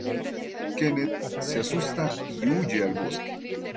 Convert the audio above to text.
Kenneth se asusta y huye al bosque.